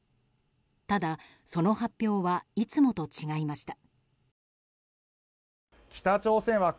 ただ、その発表はいつもと違いました。